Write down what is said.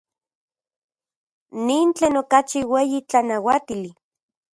Nin tlen okachi ueyi tlanauatili.